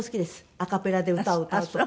アカペラで歌を歌うとか。